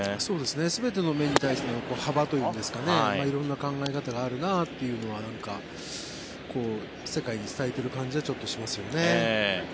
全ての面に対しての幅といいますか色んな考え方があるなというのは世界に伝えている感じはちょっとしますよね。